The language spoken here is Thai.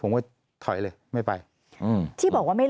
แต่ได้ยินจากคนอื่นแต่ได้ยินจากคนอื่น